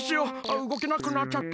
うごけなくなっちゃった。